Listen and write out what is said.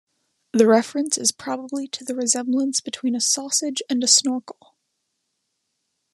The reference is probably to the resemblance between a sausage and a snorkel.